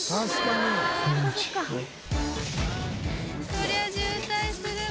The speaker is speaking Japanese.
そりゃ渋滞するわ。